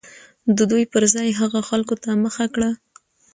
د دوى پر ځاى هغو خلكو ته مخه كړه